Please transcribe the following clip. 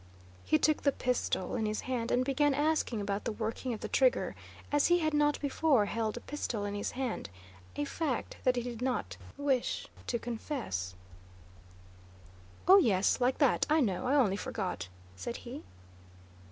He took the pistol in his hand and began asking about the working of the trigger, as he had not before held a pistol in his hand—a fact that he did not wish to confess. "Oh yes, like that, I know, I only forgot," said he.